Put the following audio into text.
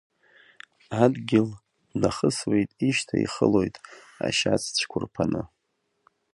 Адгьыл днахысуеит, ишьҭа ихылоит ашьац цәқәырԥаны.